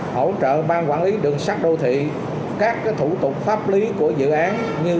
hỗ trợ bang quản lý đường sát đô thị các thủ tục pháp lý của dự án như